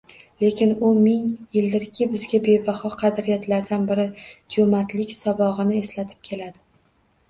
Lekin u ming yildirki, bizga bebaho qadriyatlardan biri jo`mardlik sabog`ini eslatib keladi